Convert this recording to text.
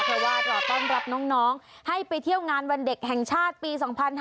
เพราะว่ารอต้อนรับน้องให้ไปเที่ยวงานวันเด็กแห่งชาติปี๒๕๕๙